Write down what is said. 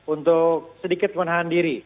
untuk sedikit menahan diri